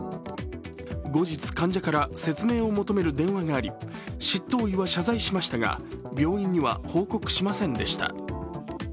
後日、患者から説明を求める電話があり、執刀医は謝罪しましたが病院には報告しませんでした。